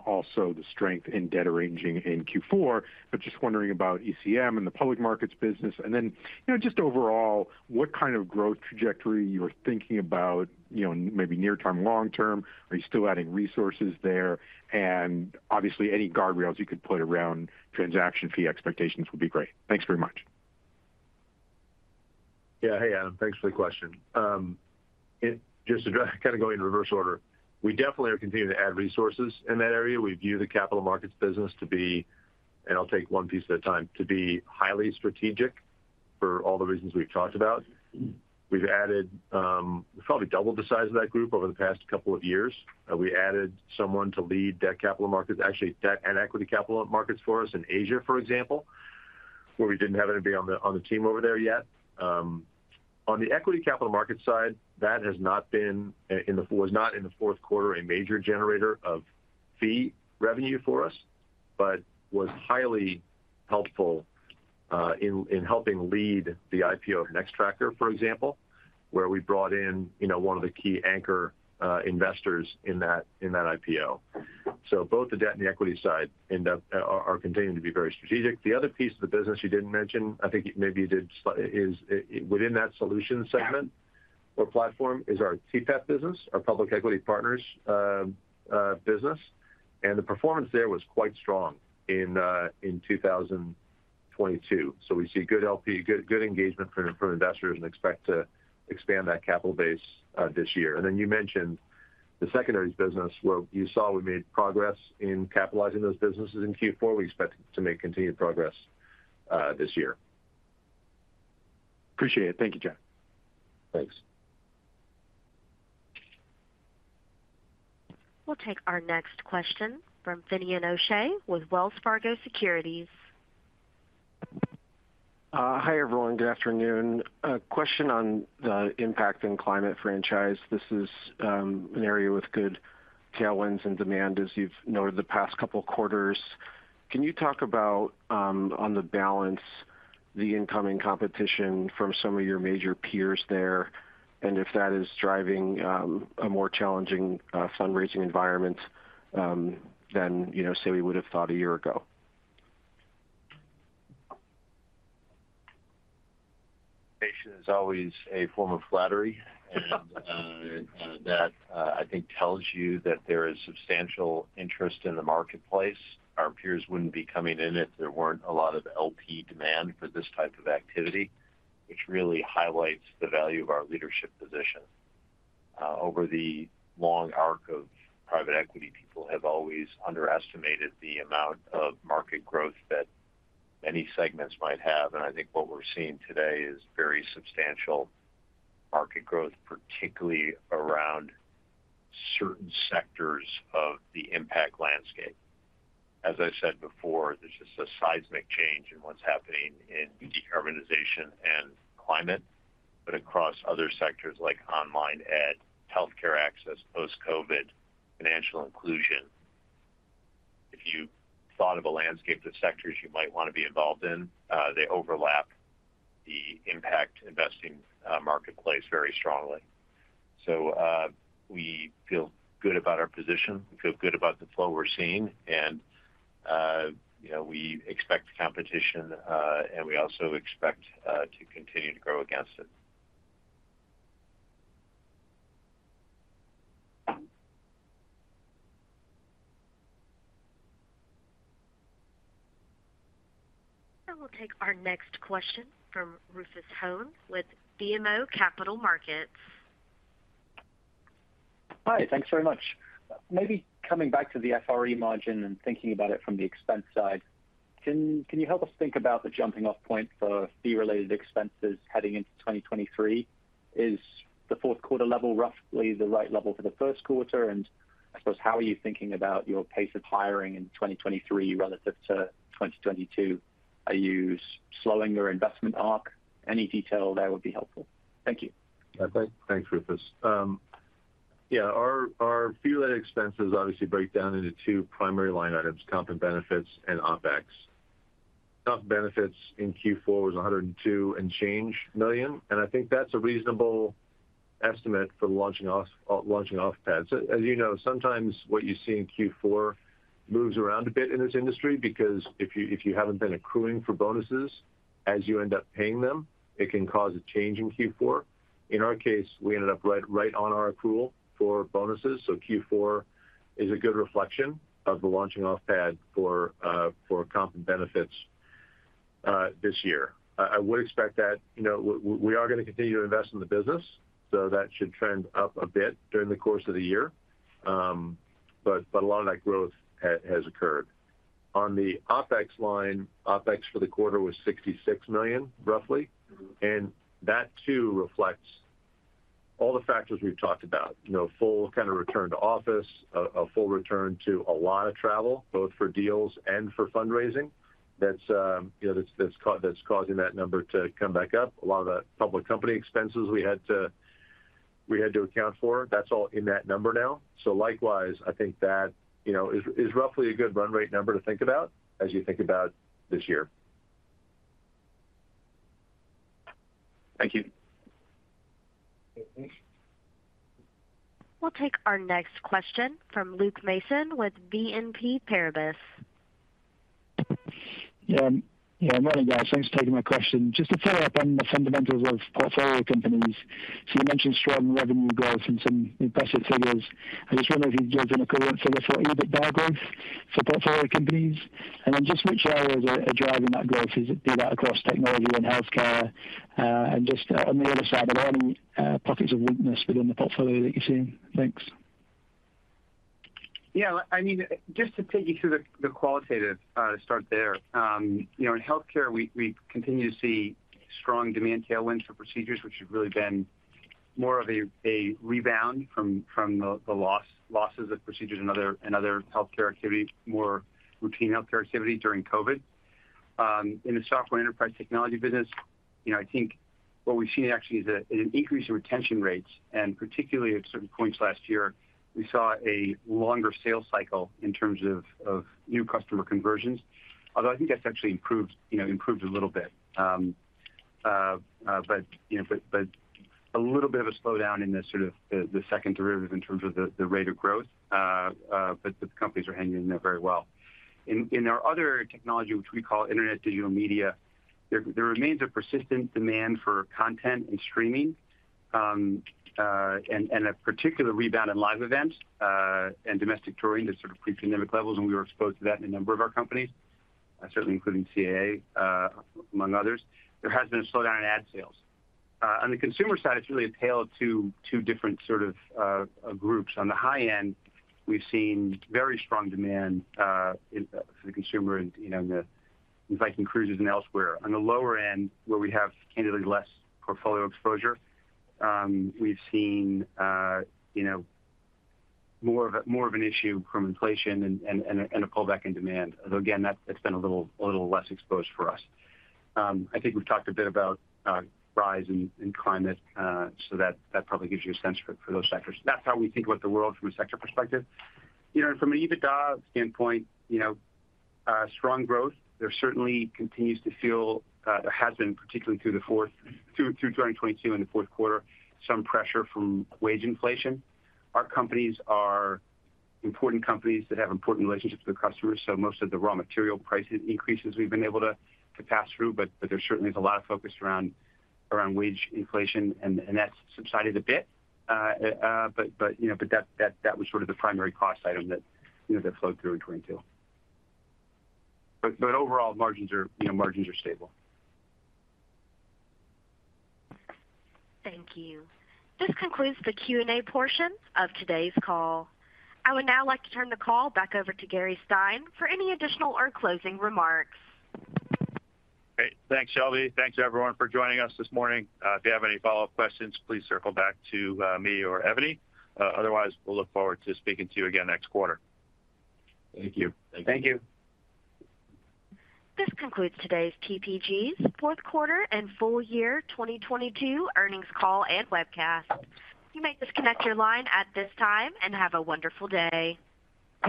Also the strength in debt arranging in Q4, but just wondering about ECM and the public markets business. You know, just overall, what kind of growth trajectory you're thinking about, you know, maybe near term, long term. Are you still adding resources there? Obviously, any guardrails you could put around transaction fee expectations would be great. Thanks very much. Yeah. Hey, Adam, thanks for the question. Just to kind of go in reverse order. We definitely are continuing to add resources in that area. We view the capital markets business to be, and I'll take one piece at a time, to be highly strategic for all the reasons we've talked about. We've added, probably doubled the size of that group over the past couple of years. We added someone to lead debt capital markets, actually debt and equity capital markets for us in Asia, for example, where we didn't have anybody on the, on the team over there yet. On the equity capital market side, that has not been in the fourth quarter, a major generator of fee revenue for us, but was highly helpful in helping lead the IPO of Nextracker, for example, where we brought in, you know, one of the key anchor investors in that, in that IPO. Both the debt and the equity side are continuing to be very strategic. The other piece of the business you didn't mention, I think maybe you did is within that solution segment or platform is our TPEP business, our public equity partners business. The performance there was quite strong in 2022. We see good LP, good engagement from investors and expect to expand that capital base this year. Then you mentioned the secondaries business where you saw we made progress in capitalizing those businesses in Q4. We expect to make continued progress this year. Appreciate it. Thank you, Jon. Thanks. We'll take our next question from Finian O'Shea with Wells Fargo Securities. Hi, everyone. Good afternoon. A question on the impact and climate franchise. This is an area with good tailwinds and demand, as you've noted the past couple quarters. Can you talk about on the balance, the incoming competition from some of your major peers there, and if that is driving a more challenging fundraising environment than, you know, say we would have thought a year ago? Competition is always a form of flattery. That, I think tells you that there is substantial interest in the marketplace. Our peers wouldn't be coming in if there weren't a lot of LP demand for this type of activity, which really highlights the value of our leadership position. Over the long arc of private equity, people have always underestimated the amount of market growth that many segments might have. I think what we're seeing today is very substantial market growth, particularly around certain sectors of the impact landscape. As I said before, there's just a seismic change in what's happening in decarbonization and climate, but across other sectors like online ed, healthcare access, post-COVID, financial inclusion. If you thought of a landscape of sectors you might want to be involved in, they overlap the impact investing marketplace very strongly. We feel good about our position. We feel good about the flow we're seeing, and, you know, we expect competition, and we also expect to continue to grow against it. We'll take our next question from Rufus Hone with BMO Capital Markets. Hi, thanks very much. Maybe coming back to the FRE margin and thinking about it from the expense side, can you help us think about the jumping off point for fee-related expenses heading into 2023? Is the fourth quarter level roughly the right level for the first quarter? I suppose, how are you thinking about your pace of hiring in 2023 relative to 2022? Are you slowing your investment arc? Any detail there would be helpful. Thank you. Yeah. Thanks, Rufus. Yeah, our fee-related expenses obviously break down into two primary line items, comp and benefits and OpEx. Comp benefits in Q4 was $102 million and change. I think that's a reasonable estimate for the launching off pad. As you know, sometimes what you see in Q4 moves around a bit in this industry because if you haven't been accruing for bonuses as you end up paying them, it can cause a change in Q4. In our case, we ended up right on our accrual for bonuses. Q4 is a good reflection of the launching off pad for comp and benefits this year. I would expect that, you know, we are gonna continue to invest in the business, that should trend up a bit during the course of the year. But a lot of that growth has occurred. On the OpEx line, OpEx for the quarter was $66 million, roughly. Mm-hmm. That too reflects all the factors we've talked about. You know, full kinda return to office, a full return to a lot of travel, both for deals and for fundraising. That's, you know, that's causing that number to come back up. A lot of the public company expenses we had to account for, that's all in that number now. Likewise, I think that, you know, is roughly a good run rate number to think about as you think about this year. Thank you. Okay. We'll take our next question from Luke Mason with BNP Paribas. Yeah, morning, guys. Thanks for taking my question. Just to follow up on the fundamentals of portfolio companies. You mentioned strong revenue growth and some impressive figures. I just wonder if you could give us an equivalent figure for EBITDA growth for portfolio companies? Then just which areas are driving that growth? Is it across technology and healthcare? Just on the other side, are there any pockets of weakness within the portfolio that you're seeing? Thanks. Yeah. I mean, just to take you through the qualitative to start there. You know, in healthcare, we continue to see strong demand tailwinds for procedures, which have really been more of a rebound from the losses of procedures and other healthcare activity, more routine healthcare activity during COVID. In the software and enterprise technology business, you know, I think what we've seen actually is an increase in retention rates, and particularly at certain points last year, we saw a longer sales cycle in terms of new customer conversions. Although I think that's actually improved, you know, a little bit. You know, a little bit of a slowdown in the sort of the second derivative in terms of the rate of growth. The companies are hanging in there very well. In our other technology, which we call internet digital media, there remains a persistent demand for content and streaming, and a particular rebound in live events and domestic touring to sort of pre-pandemic levels, and we were exposed to that in a number of our companies, certainly including CAA among others. There has been a slowdown in ad sales. On the consumer side, it's really appealed to two different sort of groups. On the high end, we've seen very strong demand for the consumer in, you know, in the Viking Cruises and elsewhere. On the lower end, where we have candidly less portfolio exposure, we've seen, you know, more of an issue from inflation and a pullback in demand. Again, that's been a little less exposed for us. I think we've talked a bit about rise in climate. That probably gives you a sense for those sectors. That's how we think about the world from a sector perspective. From an EBITDA standpoint, strong growth. There certainly continues to feel, there has been, particularly through 2022 and the fourth quarter, some pressure from wage inflation. Our companies are important companies that have important relationships with customers. Most of the raw material price increases we've been able to pass through, but there certainly is a lot of focus around wage inflation and that's subsided a bit. You know, that was sort of the primary cost item that, you know, that flowed through in 22. Overall margins are, you know, margins are stable. Thank you. This concludes the Q&A portion of today's call. I would now like to turn the call back over to Gary Stein for any additional or closing remarks. Great. Thanks, Shelby. Thanks everyone for joining us this morning. If you have any follow-up questions, please circle back to me or Ebony. Otherwise, we'll look forward to speaking to you again next quarter. Thank you. Thank you. This concludes today's TPG's fourth quarter and full year 2022 earnings call and webcast. You may disconnect your line at this time. Have a wonderful day.